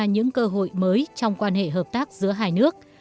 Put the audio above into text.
những cơ hội mới trong quan hệ hợp tác giữa hai nước